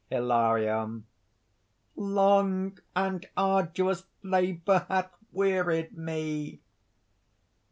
HILARION. "Long and arduous labor hath wearied me!"